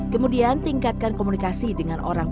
kemudian tingkatkan komunikasi dengan orang